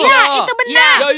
ya itu benar